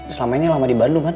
selama ini lama di bandung kan